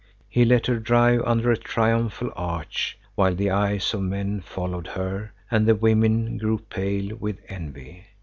He let her drive under a triumphal arch, while the eyes of men followed her and the women grew pale with envy.